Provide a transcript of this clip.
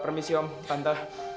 permisi om tante